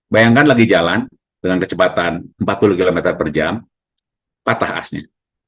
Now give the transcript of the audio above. bayangkan lagi jalan dengan kecepatan empat puluh km per jam patah asnya